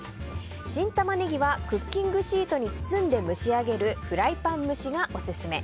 新タマネギはクッキングシートに包んで蒸し上げるフライパン蒸しがオススメ。